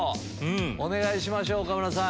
お願いしましょう岡村さん。